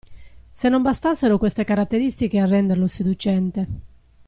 Se non bastassero queste caratteristiche a renderlo seducente.